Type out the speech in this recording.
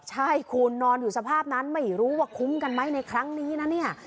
ใช่คุณนอนอยู่สภาพนั้นไม่รู้ว่าคุ้มกันไหมในครั้งนี้นะเนี่ย